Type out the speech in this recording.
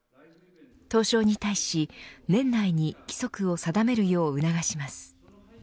東証に対し、年内に規則を定めるよう促します。